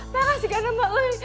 parah si gana mbak uy